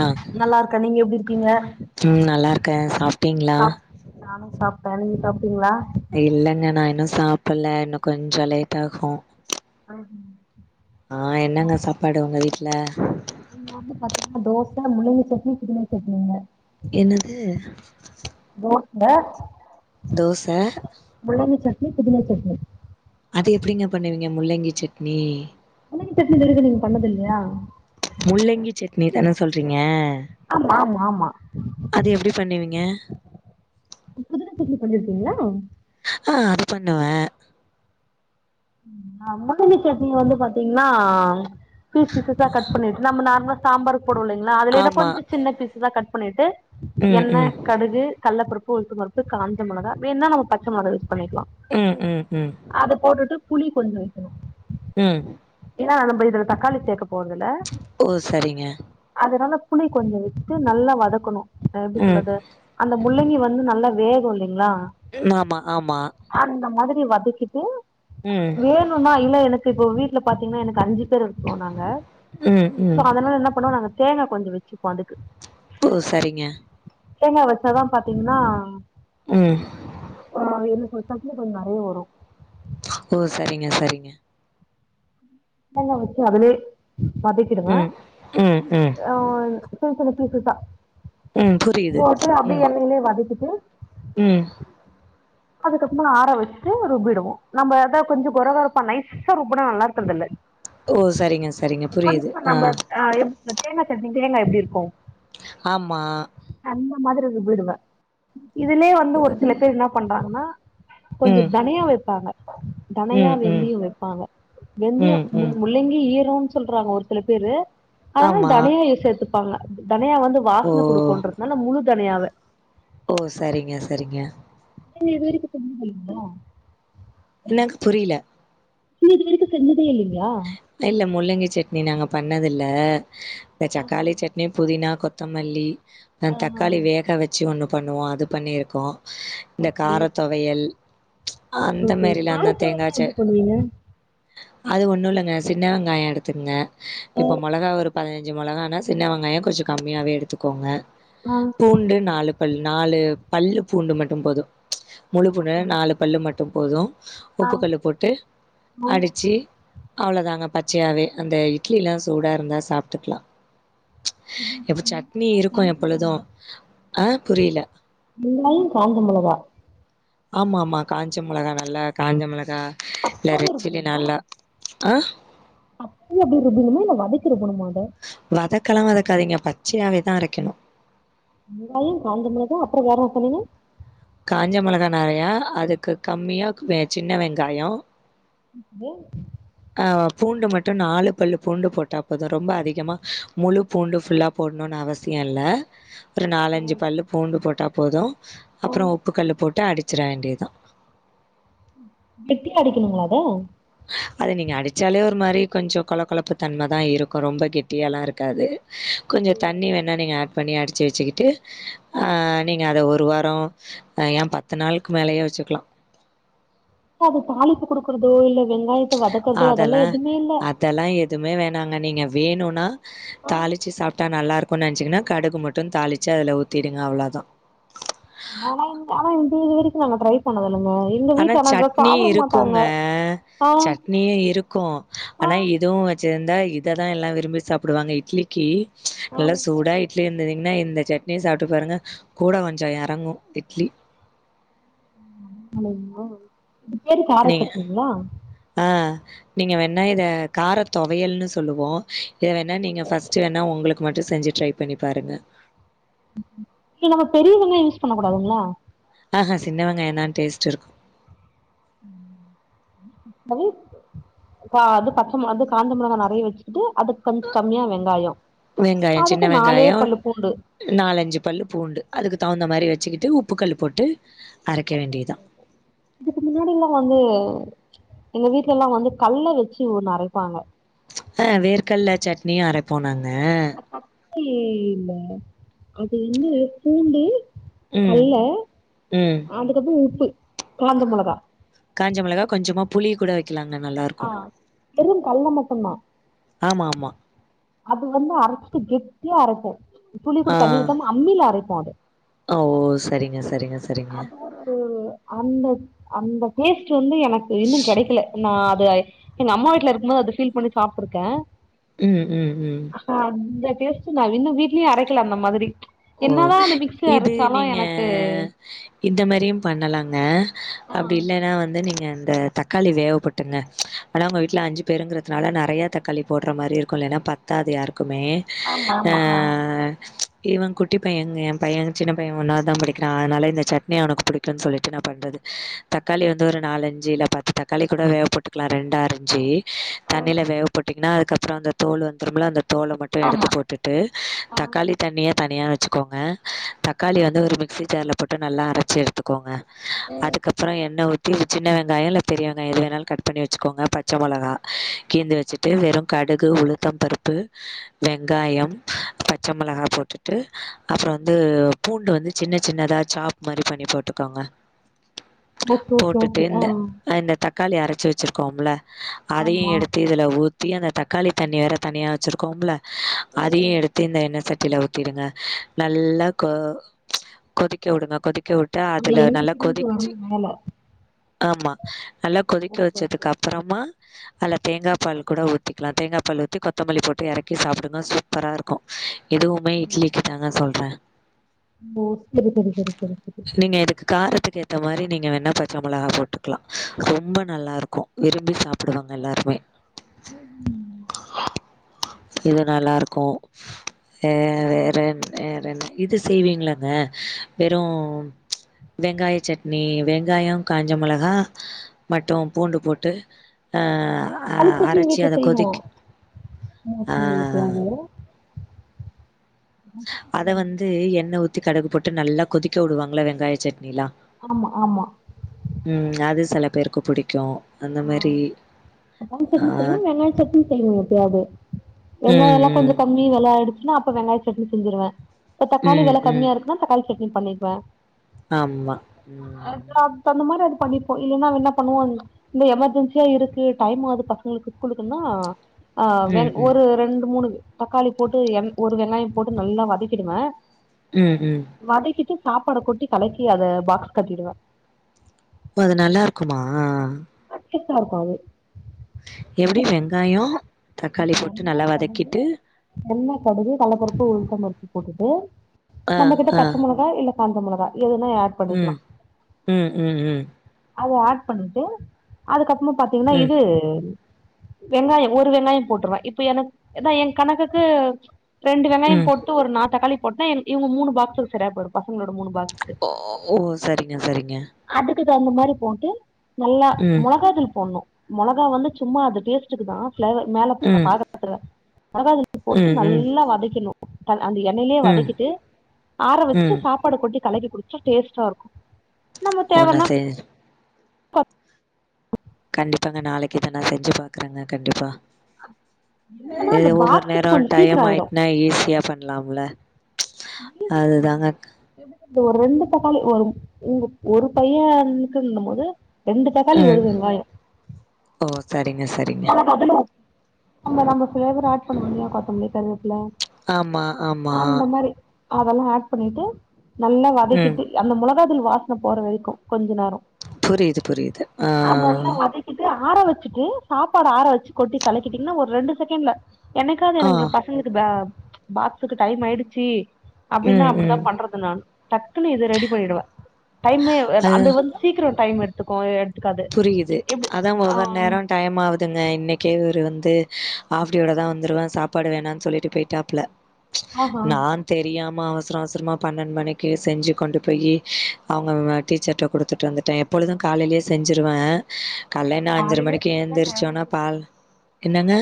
ஆ நல்லாருக்கேன் நீங்க எப்டி இருக்கீங்க ம் நல்லா இருக்கே சாப்ட்டீங்களா சாப் நானும் சாப்டேன் நீங்க சாப்டீங்ளா இல்லைங்க நான் இன்னும் சாப்பல இன்னும் கொஞ்சோம் லேட் ஆகும் ஆ ஆ என்னங்க சாப்பாடு உங்க வீட்ல இங்க வந்து பாத்தீங்ன்னா தோச முள்ளங்கி சட்னி புதினா சட்னிங்க என்னது போட்ல தோச முள்ளங்கிசட்னி புதினாசட்னி அது எப்டிங்க பண்ணுவீங்க முள்ளங்கிசட்னி முள்ளங்கி சட்னி இதுவரைக்கு நீங்க பண்ணதுல்லையா முள்ளங்கி சட்னிதன சொல்றீங்க ஆம்மா ஆம்மா ஆம்மா அது எப்டி பண்ணுவீங்க [unintelligible] சட்னி பண்ணிர்க்கீங்ளா ஆ அதுபண்ணுவே ஆ முள்ளங்கி சட்னி வந்து பாத்தீங்ன்னா பீஸ் பீசஸ்ஸா கட் பண்ணிட்டு நம்ம நார்மலா சாம்பாரு க்கு போடுவோல்லிங்ளா அதுலயேன்ன ஆமா கொஞ்ச சின்ன பீஸ்தா கட் பண்ணிட்டு ம் எண்ண ம் கடுகு கல்லபருப்பு உளுத்தம்பருப்பு காஞ்சமிளகா வேண்ணா நம்ம பச்சமிளகா யூஸ் பண்ணிக்கலா ம் ம் ம் அது போட்டுட்டு புளி கொஞ்சொ ஊத்துனு உம் ஏனா நம்பஇதுல தக்காளி சேக்க போறதுல்ல ஓ சரிங்க அதனால புளி கொஞ்சொ வெச்சு நல்லாவதக்குணு எப்டி ம் சொல்றது அந்த முள்ளங்கி வந்து நல்லா வேகு இல்லிங்ளா ம் ஆம்மா ஆம்மா அந்த மாதிரி வதக்கிட்டு ம் வேணுன்னா இல்ல எனக்கு இப்போ வீட்ல பாத்தீங்கன்னா எனக்கு அஞ்சுபேர் இருக்கோநாங்க ம் சோ ம் அதனால என்னபண்ணுவ நாங்க தேங்கா கொஞ்சொ வச்சுப்ப அதுக்கு ஓ சரிங்க தேங்கா வச்சாதா பாத்தீங்கன்னா உம் ஓ என்ன எண்ணெ சேத்தாப்ல கொஞ்சொ நெறைய வரூ ஓ சரிங்க சரிங்க தேங்கா வெச்சு அதுலே வதிக்கிடுவ ம் ம் ம் அ சின்சின்ன பீசசா ம் புரியுது போட்டு அப்டி ம் எண்ணெய்லே வதக்கிட்டு ம் அதுக்கப்புறம் ஆற வச்ட்டு ருபிடுவோ நம்ப அத கொஞ்சொ கொறகொரப்பா நைஸ் ஸா ருப்புனா நல்லாருக்கற்துல்ல ஓ சரிங்க சரிங்க புரியுது அ ஆ எப்ப தேங்கா சட்னி தேங்கா எப்டி இருக்கூ ஆம்மா அந்த மாதிரி ருப்பிடுவ இதுலயே வந்து ஒருசில பேர் என்னா பண்றாங்ன்னா கொஞ்சொ ம் தனியா வெப்பாங்க தனயா ம் ம் வெந்தியொ வெப்பாங்க வெந்தியொ ம் முன் ம் முள்ளங்கி ஈரோன்சொல்றாங்க ஒரு சிலபேரு அதனால் ஆமா தனியா இது சேத்துப் ப்பாங்க தனியா வந்து ஓ வாஸ்ன குடுக்கன்றத்னால முழு தனியாவ ஓ சரிங்க சரிங்க நீங்க இதுவரிக்கு செஞ்சதுல்லிங்ளா என்னக்கு புரியல முள்ளேங்கி இது வரிக்கு செஞ்சதே இல்லைங்களா இல்ல முள்ளங்கி சட்னி நாங்க பண்ணது இல்ல இந்த தக்காளி சட்னி புதினா கொத் தமல்லி ஆ தக்காளி வேக வச்சு ஒண்ணு பண்ணுவோ அது பண்ணியிருக்கோ இந்த ஓகே கார துவையல் அந்த மாரிலா அந்த தேங்காச் நீங்க அது ஒன்னு இல்லங்க சின்ன வெங்காயோ எடுத்துக்கங்க இப்போ மெளகா ஒரு பதினஞ்சு மெளகானா சின்ன வெங்காயோ கொஞ்சோ கம்மியாவே எடுத்துக்கோங்க ஆ பூண்டு நாலு பல்லு நாலு பல்லு பூண்டு மட்டு போது முழுப்பூண்ட ஓகே. நாலு பல்லு மட்டு போது ஆ உப்பு கல்லு போட்டு ஆ அடிச்சி அவ்ளோதாங்க பச்சையாவே அந்த இட்லி எல்லா சூடா இருந்தா சாப்ட்டுக்கலா இது இப்ப சட்னி என்னது இருக்கு காஞ்ச எப்பொழுது மொளகா ஆ புரில வெங்காயோ காஞ்ச மெளகா ஆமா ஆமா காஞ்ச மெளகா நல்லா காஞ்ச மெளகா இல்ல பச்சவே ரெட் சில்லி நல்லா ஆ அப்டி அப்டிபுமா இல்ல வதக்கிட்டு போணுமா அத வதக்கெல்லா வதக்காதீங்க பச்சையாவேதா அரைக்கணு வெங்காயோ காஞ்சமெளகா அப்றோ வேற என்ன சொன்னீங்க காஞ்ச மெளகா நெறையா அதுக்கு கம்மியா வெ சின்ன வெங்காயோ து ஆ பூண்டு மட்டு நாலு பல்லு பூண்டு போட்டா போது ரொம்ப அதிகமா முழு பூண்டு ஃபுல்லா போணுனு அவசியோ இல்ல ஒரு நாலஞ்சு பல்லு பூண்டு போட்டா போது ஆ அப்றோ உப்பு கல்லு போட்டு அடிச்சற வேண்டியதுதா கேட்டியா அடிக்கணுங்கள அத அத நீங்க அடிச்சாலே ஒரு மாரி கொஞ்சோ கொல கொலப்பு தன்மதா இருக்கு ரொம்ப கெட்டியாலா இருக்காது கொஞ்சோ தண்ணி வேணா நீங்க ஆட் பண்ணி அடிச்சு வச்சுக்கிட்டு நீங்க அத ஒரு வாரோ ஏ பத்து நாளுக்கு மேலயே வச்சுக்கலா ஆ அது தாளிப்பு குடுக்குறதோ இல்ல வெங்காய அதெல்லா அதெல்லா எதுவுமே வேணாங்க நீங்க வேணுனா தாளிச்சு சாப்ட்டா நல்லா இருக்குன்னு நெனைச்சீங்கன்னா கடுகு மட்டு தாளிச்சு அதுல ஊத்திடுங்க அவ்ளதா ஆ ஆனா இ இது வரைக்கு நாங்க ட்ரை பண்ணது இல்லுங்க ஆனா சட்னி இருக்குக ஆ சட் னியு இருக்கு ஆனா ஆமாங்களா? இதுவு வச்சிருந்தா இத தா எல்லா விரும்பி சாப்டுவாங்க இட்லி கி நல்ல சூடா இ ட்லி இருந்திங்கன்னா இந்த சட்னிய சாப்ட்டு பாருங்க கூட கொஞ்சோ இறங்கு இட்லி இறங்குமா இது பேரு கார நீங்க சட்னிங்களா ஆ நீங்க வேணா இத கார துவையல்ன்னு சொல்லுவோ இது வேணா நீங்க ஃபர்ஸ்ட்டு வேணா உங்களுக்கு மட்டு செஞ்சு ட்ரை பண்ணி பாருங்க இத நம்ம பெரிய வெங்காயம் யூஸ் பண்ண கூடாதுங்களா ஆ ஆ சின்ன வெங்காயம் தா டேஸ்ட் இருக் ம் அது பா பச்ச மெளகா அது காஞ்ச மெளகா நெறைய வச்சிட்டு அது கொஞ்சோ கம்மியா வெங்காயோ அதுகு நாலே பல்லு பூண்டு நாலு அஞ்சு பல்லு பூண்டு அதுக்கு தகுந்த மாரி வச்சிகிட்டு உப்பு கல் போட்டு அரைக வேண்டியதுதா இதுக்கு முன்னாடி லா வந்து எங்க வீட்டுல லா வந்து கல்லா வச்சி ஒண்ணு அரைபாங்க அ வேர்கல்ல சட்னியு அர போ நாங்க அப்பி இல்ல அது வந்து பூண்டு ம் கல்ல ம் அதுக்கப்பறோ உப்பு காஞ்ச மிளகா காஞ்ச மிளகா கொஞ்சமா புளி கூட வைக்கலாங்க நல்லா ஆ இருக்கு வெறு கல்ல மட்டுந்தா ஆமா ஆமா அது வந்து அரைச்சிட்டு கெட்டியா அரைப்போம் துளி கூட ஆ தண்ணி ஊத்தாம அம்மில அரைப்போ அத ஓ சரிங்க சரிங்க சரி அது ஒரு அந்த அந்த டேஸ்ட் வந்து எனக் இன்னு கெடைக்கல நா அது எங்க அம்மா வீட்ல இருக்கும் போது அத பீல் பண்ணி சாப்ட்ருக்கே ம் ம் ம் அ அந்த டேஸ்டு நா இன்னு வீட்லயே அரைக்கல அந்த மாதிரி ஓ என்ன தா அந்த மிக்சில இது அரைச்சாலும் நீங்க எனக்கு இந்த மேரியும் பண்ணலாங்க ஆ அப்டி இல்லனா வந்து நீங்க அந்த தக்காளி வேவபோட்ருங்க ஆனா உங்க வீட்ல அஞ்சி பேருகிறதுனால நறையா தக்காளி போடுற மாரி இருக்கு இல்லனா பத் பத்தாது யாருக்குமே ஆமா ஆமா ஆ ஆ இவ குட் குட்டி பையங்க எ பையன் சின்ன பைய ஒன்னாவது தா படிக்றா அதனால இந்த சட்னி அவனக்கு புடிக்குன்னு சொல்லிட்டு நா பண்றது தக்காளி வந்து ஒரு நாலஞ்சு இல்ல பத்து தக்காளி கூட வேக போட்டுகலா ரெண்ட அரிஞ்சி ஆ தண்ணில வே போட்டிங்னா அதுகப்பறோ அந்த தோல் வந்துரும்ல அந்த தோல மட் எடுத்து ஆமா போட்டுட்டு ஆ தக்காளி தண்ணிய தனியா வச் வச்சிகோங்க தக்காளி வந்து ஒரு மிக்சி ஜார்ல போட்டு நல்லா அரைச்சி எடுத்துகோங்க அதுக்கப்பறம் என்ன ஊத் தீந்துச் சின்ன வெங்காயம் இல்ல பெரிய வெங்காயம் எது வேணாலும் கட் பண்ணி வச்சிகோங்க பச்சை மொளகா கீந்து வச் அப்டே வெறும் கடுகு உளுத்த பருப்பு வெங்காயம் பச்ச மிளகா போட்டுட்டு அப்பறம் வந்து பூண்டு வந்து சின்ன சின்னதா சாப் மாரி பண்ணி போட்டுகோங்க ஓகே ஓகே போட்டுட்டு ஓகே ஆ இந்த இந்த தக்காளி அரைச்சி வச்சிருக்கோம்ல அதையும் ஆமா எடுத்து இதுல ஊத்தி அந்த தக்காளி தண்ணி வேற தனியா வச்சிருக்கோம்ல அதையும் எடுத் தீந்த எண்ணெய் சட்டில ஊத்திடுங்க நல்லா கொ கொதிக்க விடுங்க கொதிக்க வி ட்டா அந்த அதுல எண்ணெ நல்லா பிரிஞ்சு கொதிச்சி வரணு மேல ஆமா நல்லா கொதிக்க ஓகே ஓகே வச்சதுக்கு அப் அப்பறமா அதுல தேங்கா பால் கூட ஊத்திகலா தேங்கா பால் ஊத்தி கொத்தமல்லி போட்டு இறக்கி சாப்டுங்க சூப்பரா இருக்கும் இதுவுமே இட்லிக்கு தாங்க சொல்றே ஓ செரி செரி செரி செரி செரி காரத்துகு ஏத்த மாரி நீங்க வேணா பச்சை மிளகா போட்டுகலா ரொம்ப நல்லாருக்கும் விரும்பி சாப்டுவாங்க எல்லாருமே ம் இது நல்லா இருக்கும் வே வே ரெ ரெண்டு இது செய்வீங்களங்க வெறும் வெங்காய சட்னி வெங்காயம் காஞ்ச மொளகா மட்டும் பூண்டு போட்டு அ ஆ தக்காளி சட்னி அரைச்சி வீட்ல அதை செய்வோ கொதிக் ஆ மோஸ்ட்லி எப்பயாது அத வந்து எண்ணெய் ஊத்தி கடுகு போட்டு நல்லா கொதிக்க விடுவாங்களா வெங்காய சட்னிலாம் ஆமா ஆமா ம் அது செல பேருக்கு புடிக்கு அந்த ஆ மாரி தக்காளி ஆ சட்னி செய்வோ வெங்காய சட்னி செய்வோ எப்பயாது வெங்காய ம் எல்லா கொஞ்ச ம். கம்மி வெல ஆயிடுச்சுன்னா அப்ப வெங்காய சட்னி செஞ்சிருவே இப்ப தக்காளி ம் வெல ம் கம்மியா இருக்குன்னா தக்காளி சட்னி பண்ணிக்குவே ஆமா ம் இப்ப அந்த மாதிரி அது பண்ணிப்போ இல்லைன்னா அவ என்ன பண்ணுவோ இந்த எமர்ஜென்சியா இருக்கு டைம் ஆகுது பசங்களுக்கு ஸ்கூலுக்குன்னா ஆ வெ ம் ம் ஒரு ரெண்டு மூணு தக்காளி போட்டு எண் ஒரு வெங்காய போட்டு நல்லா வதக்கிடுவே ம் ம் வதக்கிட்டு சாப்பாட கொட்டி கலக்கி அத பாக்ஸ் கட்டிடுவே ஓ அது நல்லா இருக்குமா டேஸ்டா இருக்கு அது எப்டி வெங்காய தக்காளி போட்டு எண்ணெ நல்லா கடுகு வதக்கிட்டு எண்ணெ கடுகு கள்ளப்பருப்பு உளுந்தம்பருப்பு போட்டுட்டு ஆ நம்ம கிட்ட ஆ பச்ச மொளகா இல்ல காஞ்ச மொளக எதுனா அட் ம் ம் ம் ம் அத ஆட் பண்ணிட்டு அதுக்கப்புறமா பாத்தீங்கன்னா ம் இது வெங்காய ஒரு வெங்காய போட்டுருவ இப்ப எனக்கு ஏ கணக்குக்கு ரெண்டு வெங்காய ம் போட்டு ஒரு நாளு தக்காளி போட்டா எ இவுங்க மூணு பாக்ஸுக் சரியா போய்ரு பசங்களோட மூணு பாக்ஸுக்கு ஓ ஓ சரிங்க சரிங்க அதுக்கு தகுந்த மாரி போட்டு நல்லா ம் மொளகாதூள் போட்னு மொளகா வந்து சும்மா அது டேஸ்ட்டுக்கு தா ஃபிளாவர் மேல ம் பாகதுக்கு தா மொளகா இல் போட்டு ம் ம் நல்லா வதக்கிற்னு அந்த எண்ணெயயிலயே ம் வதக்கிட்டு ஆற வச்சு ம் சாப்ப பாட கொட்டி களக்கி குடிச்சா டேஸ்டா இருக்கு நம்ம ஒன்ன தேவன்னா செய்ய சொ கண்டிப்பாங்க நாளைக்கு இத நா செஞ்சு பாக்குறேங்க கண்டிப்பா என்னன்னா அ அந்த ஒவ்வொரு பாக்ஸுக்கு நேர கொஞ்சோ சீக்கிரோ டையம் ஆயிடு ஆயிட்னா ஈஸியா பண் லாம்ல அதுதாங்க இந்த ஒரு ரெண்டு தக்காளி ஒரு உங்க ஒரு பையன்க்குந்த போது ரெண்டு தக்காளி ஒரு ம் வெங்காய ஓ சரிங்க சரி நம்ப பக்கத்துல ஆமா நம்ப ஃபிளேவரா ஆட் பண்ணுவோ இல்லையா கொத்தமல்லி கருவேப்பில மா ஆமா அந்த மாரி அதெல்லா ஆட் பண்ணிட்டு நல்லா ம் வதக்கிட்டு அந்த மொளகாதூள் வாசன போற வரைக்கு கொஞ்ச நேர புரியுது புரியுது ஆ இது ஆற வச்சிட்டு சாப்பாடஃஆற வச்சு கொட்டி கலக்கிட்டீங்கன்னா ஒரு ரெண்டு செகண்ட்ல எனக்காவது ஆ எனங்கள் பசங்களுக்கு பா பாக்ஸுக்கு டைம் ஆயிடுச்சு அப்டின்னா ம் அப்டித்தா ம் பண்றது நான் டக்குன்னு இது ரெடி பண்ணிடுவே டைமே அது அந்த வந்து சீக்கிர டைம் எடுத்துக்கு எடுத்துக்காது புரியுது எப்டி அதா ஆ ஒவ்வொரு நேரன் டையம் ஆவுதுங்க இன்னைக்கே இவரு வந்து ஆஃப்டியோட தா வந்துருவே சாப்பாடு வேணான்னு சொல்லிட்டு போய்ட்டாப்ல ஆஹா நான் தெரியாம அவசர அவசரமா பன்னெண்டு மணிக்கு செஞ்சு கொண்டு போயி அவுங்க டீச்சர்ட்ட குடுத்துட்டு வந்துட்டே எப் பொழுது காலையிலயே செஞ்சிருவே காலைல என்ன அஞ்சர காலையில மணிக்கு எழுந்திருச்சோன பால் என்னங்க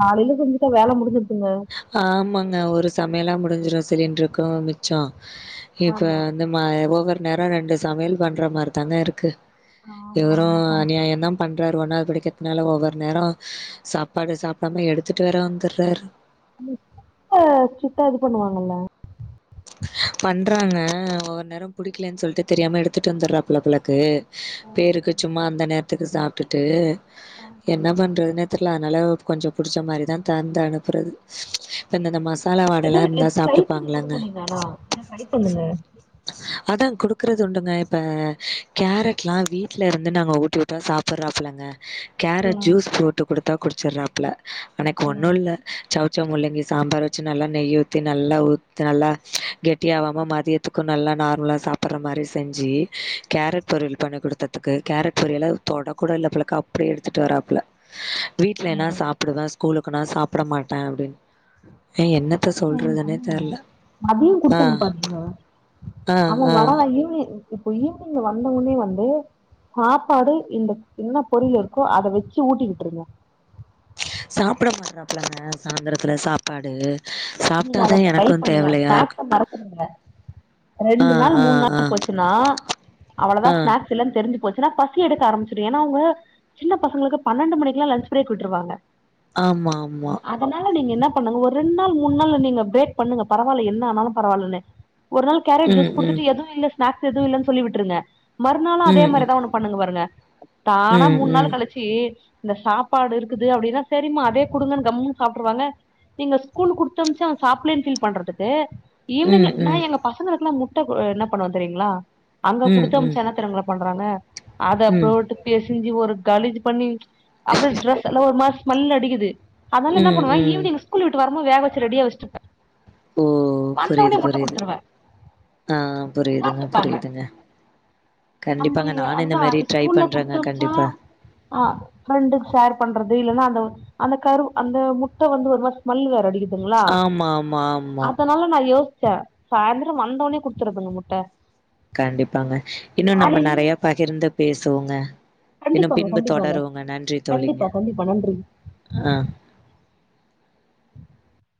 காலையில செஞ்சிட்டா வேல முடிஞ்சுருச்சுங்க ஆமாங்க ஒரு சமையலா முடிஞ்சிடும் சிலிண்ட்ருக்கும் மிச்சோ இப்ப ஆமா இந்த மா ஒவ்வொரு நேரம் ரெண்டு சமையல் பண்ற மாரி தாங்க இருக்கு ஆமா இவரும் ஆமா அநியாயம் தம் பண்றாரு ஒன்னாவ்து படிக்றதுனால ஒவ்வொரு நேரம் சாப்பாடு சாப்டாம எடுத்துட்டு வேற வந்துறாரு அங்கே [inaudible] ஸ்டிட்டா இது பண்ணுவாங்கல்ல பண்றாங்க ஒவ்வொரு நேரம் புடிக்லேன் சொல்ட்டு தெரியாம எடுத்துட்டு வந்துறா போல போலருக்கு ம் பேருக்கு சும்மா அந்த நேரத்துக்கு சாப்ட்டுட்டு ஆமா. என்ன பண்றதுன்னே தெர்ல அதனால கொஞ்ச புடிச்ச மாரிதா தந்து அனுப்புறது இந்தந்த மசாலா வாட எல்லா இருந்தா சாப்ட்டுப்பாங்ளாங்க ஆ எதனா சரிபண்ணுங்க அதா குடுக்கறது உண்டுங்க இப்ப கேரட்லா வீட்ல இருந்து நாங்க ஊட்டி உட் டா சாப்புறாப்புலங்க கேரட் ம், ஜூஸ் போட்டு குடுத்தா குடிச்சுறாப்புல எனக் ம், ஒன்னு இல்ல சவ் சவ் முள்ளங்கி சாம்பார் வச்சு நல்லா நெய்ய ஊத்தி நல்லா ஊத் நல்லா கெட்டியாவாம மதியத்துக்கு நல்லா நார்மலா சாப்புற மாரி செஞ்சு கேரட் பொரியல் பண்ணி குடுத்ததுக்கு கேரட் பொரியல தொட கூட இல்ல போலக்கா அப்டியே எடுத்துட்டு வராப்ல வீட்லனா ம். சாப்புடுவே ஸ்கூலுக்கு நா சாப்புட மாட்டே அப்டின் ஏ என்ன த்த சொல்றதுனே தெர்ல அதையும் ஆ, குடுத்தணும் பாத்தீங்கா ஆ, அவ வர ஆ. வய்யி இப்ப ஈவ்னிங் வந்தவுன்னே வந்து சாப்பாடு இந்த என்ன பொரியல் இருக்கோ அத வெச்சு ஊட்டிவிட்ருங்க சாப்புட மாட்றாப்புலங்க சாந்தரத்துல சாப்பாடு நீங்க அத சாப்ட்டாதா ட்ரை எனக்கு பண்ணுங்க தேவலையா இருக்கு ஸ்நாக்ஸ்ஸ மறக்க வைங்க ரெண்டு ஆ நாள் ஆ மூண் ஆ நாள் போச்சுன்னா அவ்ள தா ஆ ஸ்நாக்ஸ் இல்லன் தெரிஞ்சு போச்சுனா பசி எடுக்க ஆரம்பிச்சிடும் ஏன்னா அவுங்க சின்ன பசங்களுக்கு பன்னெண்டு மணிக்லா லன்ச் பிரேக் விட்ருவாங்க ஆமா ஆமா அதனால நீங்க என்ன பண்ணுங்க ஒரு ரெண் நாள் மூண் நாள் நீங்க பிரேக் பண்ணுங்க பரவால என்ன ஆனாலும் பரவாலன்னு ஒரு நாள் கேரட் ம் ஜூஸ் ம் குடுத்துட்டு எதுவும் இல்ல ஸ்நாக்ஸ் எதுவும் இல்ல சொல்லி விட்ருங்க மறுநாள் அதே ம் ம் மாரிதா உனக் பண்ணுங்க பாருங்க தானா மூண் நாள்ளு ம் கழிச் ச்சி இந்த சாப்பாடு இருக்குது அப்டினா செரிமா அதே குடுங்கனு கம்முனு சாப்ட்ருவாங்க நீங்க ஸ்கூல் குடுத்தமுச்சு அவ சாப்லேன் ஃபீல் பண்றதுக்கு ம் ஈவ்னிங்ல ம் நா ம் எங்க பசங்களுக்குல்லா முட்ட என்ன பண்ணுவ தெரியங்ளா அங்க ம் குடுத்தமுச்சா என்ன தெரியுங்ளா பண்றாங்க அத ம் ம் போட்டு பெசிஞ்சு ஒரு கலிஜ்ஜி பண்ணி அப்பறம் ட்ரெஸ் எல்லா ஒரு மாரி ஸ்மெல் அடிக்குது அதனால என்ன ம் பண்ணுவ ம் ஈவ்னிங் ஸ்கூல் விட்டு வரமோ வேக வெச்சு ரெடியா வெச்ருப்ப ஓ புரியுது புரியுது ஆ புரியுதுங்க சாப்ட்டுப்பாங்க புரியுதுங்க கண்டிப்பாங்க நானு இந்த மாரி ட்ரை பண்றேங்க கண்டிப்பா அ ஃப்ரெண்டுக் ஷேர் பண்றது இல்லன்னா அந்த அந்த கருவு அந்த முட்ட வந்து ஒரு மாரி ஸ்மெல் வேற அடிக்குது ங்ளா ஆமா ஆமா ஆமா அதனால நா யோஸ்ச்ச சாய்ந்தரோ வந்தோன்னே குடுத்துருதுங் முட்ட கண்டிப்பாங்க இன்னு நம்ம காலையில நெறைய பகிர்ந்து பேசுவோங்க இன்னு கண்டிப்பாங்க பின்பு கண்டிப்பாங்க தொடர்வோங்க நன்றி தோழிங்க கண்டிப்பா கண்டிப்பா நன்றி ஆ